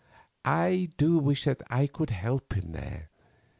I do wish that I could help him there.